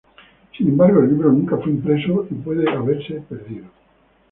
Sin embargo el libro nunca fue impreso y puede haberse perdido.